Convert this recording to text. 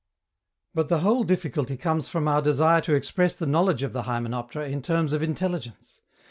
But the whole difficulty comes from our desire to express the knowledge of the hymenoptera in terms of intelligence.